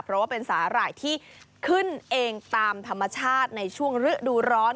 เพราะว่าเป็นสาหร่ายที่ขึ้นเองตามธรรมชาติในช่วงฤดูร้อน